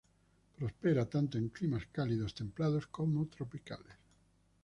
Prospera tanto en climas cálidos-templados como tropicales.